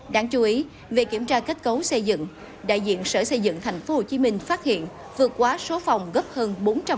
đáng chú ý về kiểm tra kết cấu xây dựng đại diện sở xây dựng tp hcm phát hiện vượt quá số phòng gấp hơn bốn trăm linh